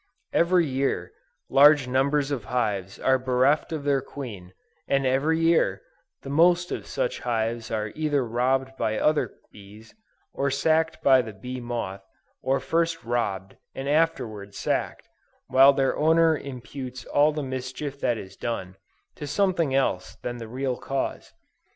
Every year, large numbers of hives are bereft of their queen, and every year, the most of such hives are either robbed by other bees, or sacked by the bee moth, or first robbed, and afterwards sacked, while their owner imputes all the mischief that is done, to something else than the real cause.